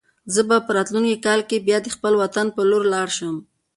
زه به په راتلونکي کال کې بیا د خپل وطن په لور لاړ شم.